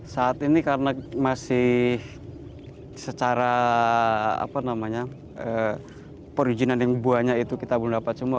saat ini karena masih secara perizinan yang banyak itu kita belum dapat semua